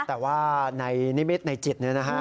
แต่ว่าในนิมิตในจิตเนี่ยนะฮะ